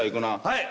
はい。